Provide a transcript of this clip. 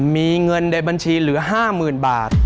มีเงินในบัญชีเหลือ๕๐๐๐บาท